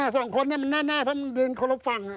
สองคนเนี่ยมันแน่เพราะมันยืนข้างลบฝั่ง